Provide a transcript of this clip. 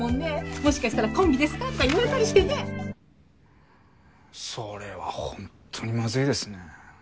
もしかしたらコンビですか？とか言われたりしてねそれは本当にマズいですね。